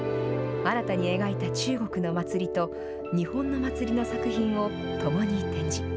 新たに描いた中国の祭りと、日本の祭りの作品をともに展示。